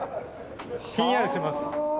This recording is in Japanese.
ひんやりします。